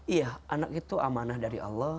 iya anak itu amanah dari allah